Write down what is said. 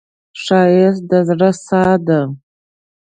ښایست د زړه ساه ده